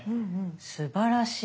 すばらしい。